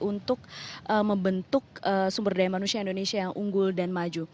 untuk membentuk sumber daya manusia indonesia yang unggul dan maju